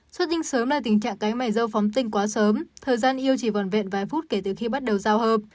xuất tinh sớm là tình trạng cánh mảy dâu phóng tinh quá sớm thời gian yêu chỉ vòn vẹn vài phút kể từ khi bắt đầu giao hợp